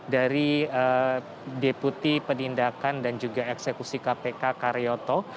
dari deputi penindakan dan juga eksekusi kpk karyoto